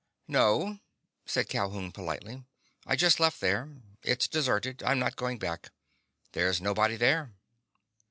"No," said Calhoun politely. "I just left there. It's deserted. I'm not going back. There's nobody there."